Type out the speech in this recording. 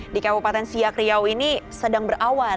di kabupaten siak riau ini sedang berawan